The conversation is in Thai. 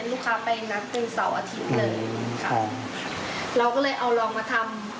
ก็คือคราวนี้ช่วยกันน่ะเราก็จะเน้นลูกค้าไปกันตั้งตรงเสาร์อาทิตย์เลย